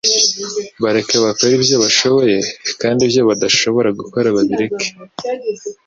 bareke bakore ibyo bashoboye kandi ibyo badashobora gukora babireke